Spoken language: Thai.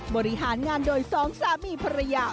บริหารงานโดยสองสามีภรรยา